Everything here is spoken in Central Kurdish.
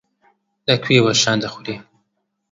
لە کوێوە شان دەخورێ.